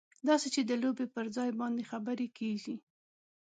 داسې چې د لوبې پر ځای باندې خبرې کېږي.